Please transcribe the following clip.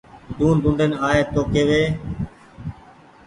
ڊونڊ ڊونڊين آئي تو ڪيوي